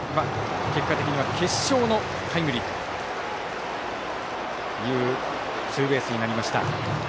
結果的には決勝のタイムリーというツーベースになりました。